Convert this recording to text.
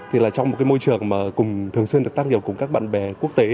thì là trong một môi trường mà thường xuyên được tác nghiệp cùng các bạn bè quốc tế